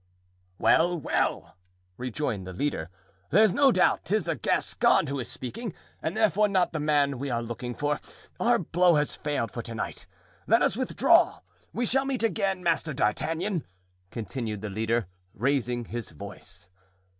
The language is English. "Well, well," rejoined the leader, "there's no doubt 'tis a Gascon who is speaking, and therefore not the man we are looking for. Our blow has failed for to night; let us withdraw. We shall meet again, Master d'Artagnan," continued the leader, raising his voice.